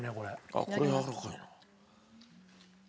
あっこれやわらかいな。